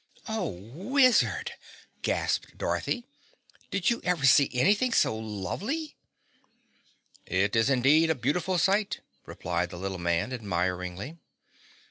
"Oh, Wizard," gasped Dorothy, "did you ever see anything so lovely?" "It is indeed a beautiful sight," replied the little man admiringly.